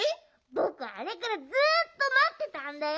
ぼくあれからずっとまってたんだよ。